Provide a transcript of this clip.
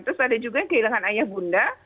terus ada juga yang kehilangan ayah bunda